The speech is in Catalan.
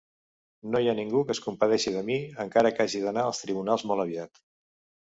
No hi ha ningú que es compadeixi de mi, encara que hagi d"anar als tribunals molt aviat.